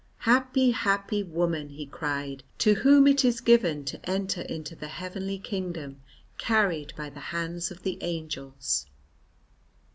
"Happy, happy woman," he cried, "to whom it is given to enter into the heavenly kingdom, carried by the hands of the angels."